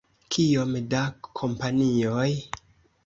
Kiom da kompanioj?